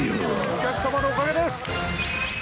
お客さまのおかげです。